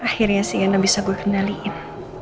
akhirnya sienna bisa gue kenalin